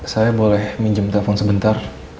saya boleh minjem telepon sebentar